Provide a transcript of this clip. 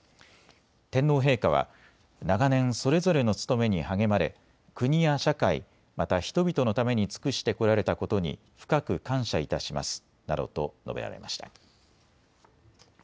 天皇陛下は長年、それぞれの務めに励まれ国や社会、また人々のために尽くしてこられたことに深く感謝いたしますなどと述べられました。